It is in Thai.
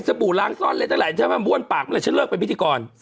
ไอ้สบู่ล้างซ่อนเล้นเท่าไรถ้ามาบ้วนปากก็ได้ฉันเลิกเป็นพิธีกร